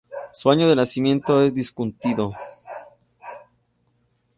Su año de nacimiento es discutido.